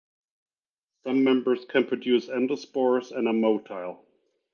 Some members can produce endospores and are motile.